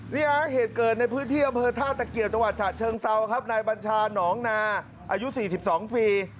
เหตุเกิดในพื้นที่อำเภอท่าตะเกียบจังหวัดฉะเชิงเซาครับนายบัญชาหนองนาอายุ๔๒ปี